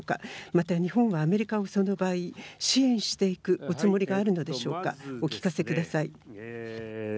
また日本はアメリカをその場合、支援していくおつもりがあるでしょうかお聞かせください。